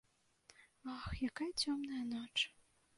Ах, якая цёмная ноч.